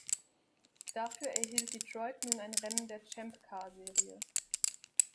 Dafür erhielt Detroit nun ein Rennen der Champ-Car-Serie.